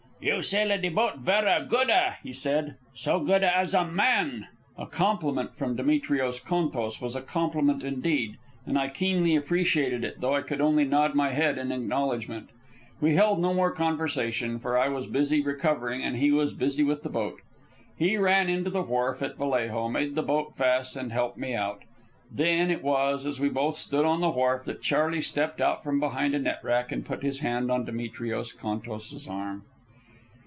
"You sail a de boat verr a good a," he said. "So good a as a man." A compliment from Demetrios Contos was a compliment indeed, and I keenly appreciated it, though I could only nod my head in acknowledgment. We held no more conversation, for I was busy recovering and he was busy with the boat. He ran in to the wharf at Vallejo, made the boat fast, and helped me out. Then it was, as we both stood on the wharf, that Charley stepped out from behind a net rack and put his hand on Demetrios Contos's arm.